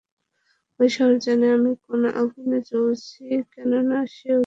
এই শহর জানে আমি কোন আগুনে জ্বলছি, কেননা সেও জ্বলছে।